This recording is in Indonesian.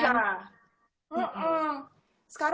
sekarang gak ada sampai sekali